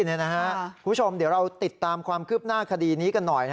คุณผู้ชมเดี๋ยวเราติดตามความคืบหน้าคดีนี้กันหน่อย